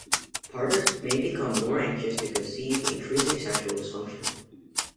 Partners may become more anxious to conceive, increasing sexual dysfunction.